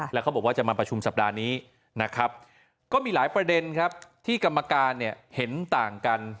แล้วเขาบอกว่าจะมาประชุมสัปดาห์นี้นะครับก็มีหลายประเด็นครับที่กรรมการเนี่ยเห็นต่างกัน